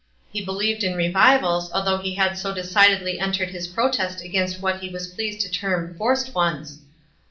lie believed in revivals, though he had so decidedly entered his protest against what he was pleased to term forced ones.